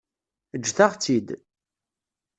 Ǧǧet-aɣ-tt-id.